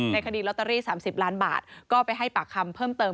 คดีลอตเตอรี่๓๐ล้านบาทก็ไปให้ปากคำเพิ่มเติม